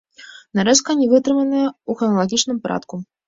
Нарэзка не вытрыманая ў храналагічным парадку.